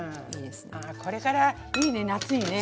これからいいね夏にね。